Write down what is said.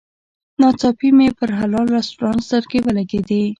ناڅاپي مې پر حلال رسټورانټ سترګې ولګېدې.